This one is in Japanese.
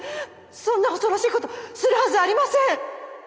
そんな恐ろしいことするはずありません！